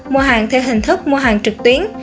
mua hàng theo hình thức mua hàng trực tuyến